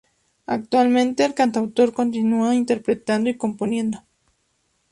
Actualmente el Cantautor continua interpretando y componiendo.